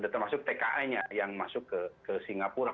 termasuk tka nya yang masuk ke singapura